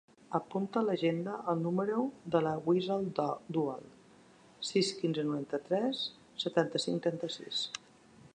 Apunta a l'agenda el número de la Wissal Dual: sis, quinze, noranta-tres, setanta-cinc, trenta-sis.